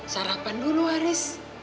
sarapan dulu haris